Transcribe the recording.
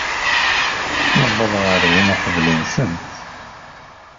Nuweḍ ɣer din uqbel-nsent.